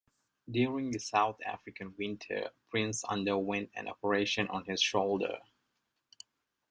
During the South African winter, Prince underwent an operation on his shoulder.